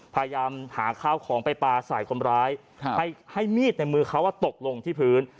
พยายามหาข้าวของไปปลาใส่คนร้ายให้มีดในมือเขาตกลงที่พื้น